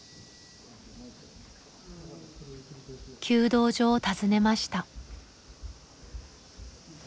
弓道場を訪ねました。